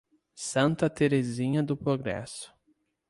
Santa Terezinha do Progresso